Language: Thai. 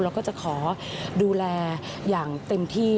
แล้วก็จะขอดูแลอย่างเต็มที่